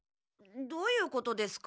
どういうことですか？